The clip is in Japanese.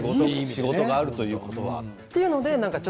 仕事があるということはとね。